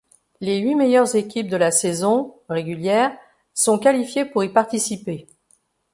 Les huit meilleures équipes de la saison régulières sont qualifiées pour y participer.